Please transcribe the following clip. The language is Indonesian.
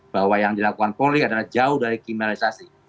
bahwa yang dilakukan paul ri adalah jauh dari kriminalisasi